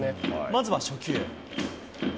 まずは初球。